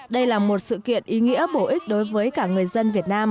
đây là một sự kiện ý nghĩa bổ ích đối với cả người dân việt nam